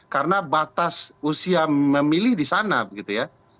karena batas usia memilih di sana gitu ya